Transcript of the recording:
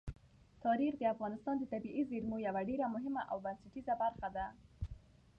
تاریخ د افغانستان د طبیعي زیرمو یوه ډېره مهمه او بنسټیزه برخه ده.